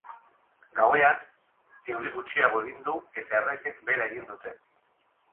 Gauean euri gutxiago egin du, eta errekek behera egin dute.